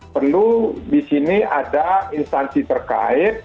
perlu di sini ada instansi terkait